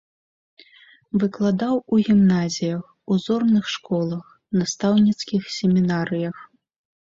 Выкладаў у гімназіях, узорных школах, настаўніцкіх семінарыях.